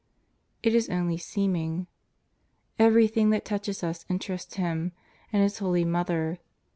It is only seeming. Every thing that touches us interests Him and His holy Mother.